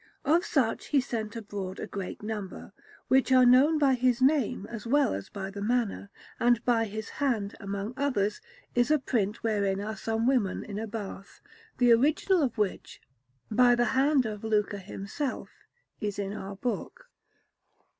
Of such he sent abroad a great number, which are known by his name as well as by the manner; and by his hand, among others, is a print wherein are some women in a bath, the original of which, by the hand of Luca himself, is in our book.